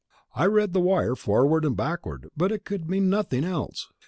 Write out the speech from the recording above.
I read the wire forward and backward but it could mean nothing else.